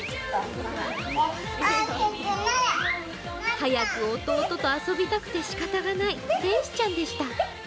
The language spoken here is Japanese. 早く弟と遊びたくてしかたがない天使ちゃんでした。